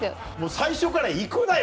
最初から行くなよ